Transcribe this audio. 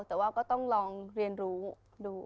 แต่ว่าก็ต้องลองเรียนรู้ดู